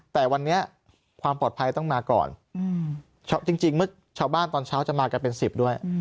แต่วันนี้ความปลอดภัยต้องมาก่อนจริงเมื่อชาวบ้านตอนเช้าจะมากันเป็น๑๐ด้วย